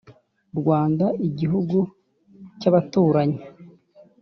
rwanda igihugu cy'abaturanyi.